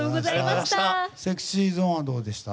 ＳｅｘｙＺｏｎｅはどうでした？